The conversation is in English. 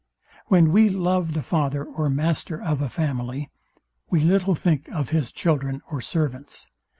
When we love the father or master of a family, we little think of his children or servants.